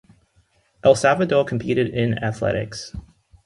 El Salvador competed in athletics.